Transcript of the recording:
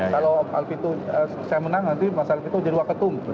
kalau alpito saya menang nanti mas alpito jadi dua ketum